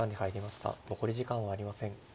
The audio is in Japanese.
残り時間はありません。